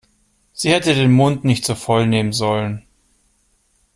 Sie hätte den Mund nicht so voll nehmen sollen.